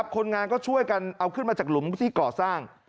คนงานก็ช่วยกันเอาขึ้นมาจากหลุมที่ก่อสร้าง